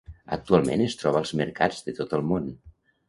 Actualment es troba als mercats de tot el món.